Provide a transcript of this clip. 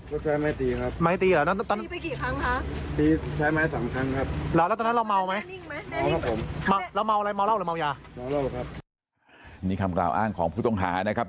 ก็ใช้ไม้ตีครับตีไปกี่ครั้งครับ